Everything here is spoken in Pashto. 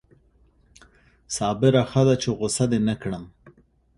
صابره ښه ده چې غصه دې نه کړم